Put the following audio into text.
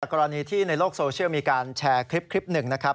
กรณีที่ในโลกโซเชียลมีการแชร์คลิปหนึ่งนะครับ